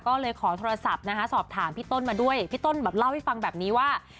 ก็เลยขอโทรศัพท์นะคะสอบถามพี่ต้นมาด้วยพี่ต้นแบบเล่าให้ฟังแบบนี้ว่า